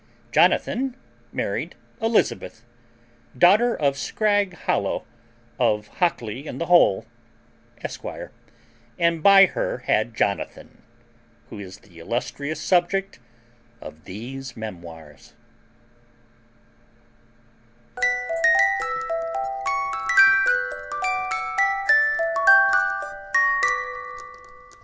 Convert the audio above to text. Jonathan married Elizabeth, daughter of Scragg Hollow, of Hockley in the Hole, esq.; and by her had Jonathan, who is the illustrious subject of these memoirs.